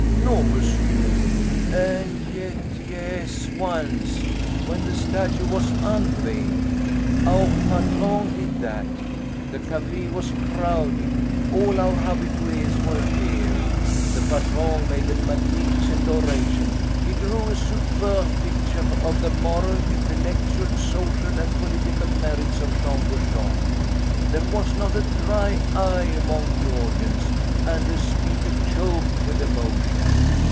"No, monsieur. And yet yes, once, when the statue was unveiled. Our patron did that. The café was crowded. All our habitués were there. The patron made a magnificent oration; he drew a superb picture of the moral, intellectual, social, and political merits of Jean Bouchon. There was not a dry eye among the audience, and the speaker choked with emotion.